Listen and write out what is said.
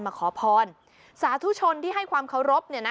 มาขอพรสาธุชนที่ให้ความเคารพเนี่ยนะ